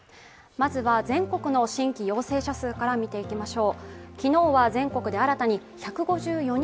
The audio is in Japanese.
まずは、全国の新規陽性者数から見ていきましょう。